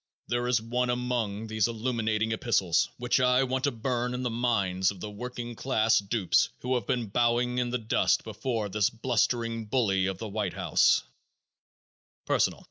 There is one among these illuminating epistles which I want to burn in the minds of the working class dupes who have been bowing in the dust before this blustering bully of the White House: "Personal.